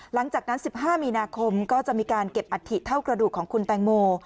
หลังจากนั้น๑๕มีนาคมก็จะมีการเก็บอัฐิเท่ากระดูกของคุณแตงโม